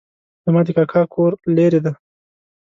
زما د کاکا کور لرې ده